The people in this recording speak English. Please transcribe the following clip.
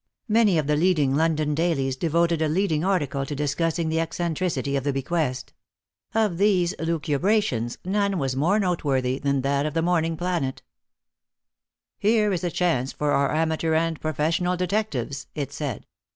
Many of the leading London dailies devoted a leading article to discussing the eccentricity of the bequest. Of these lucubrations none was more noteworthy than that of the Morning Planet. "Here is a chance for our amateur and professional detectives," it said.